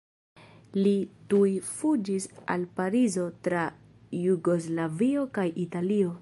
Li tuj fuĝis al Parizo tra Jugoslavio kaj Italio.